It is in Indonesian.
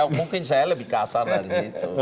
mungkin saya lebih kasar dari situ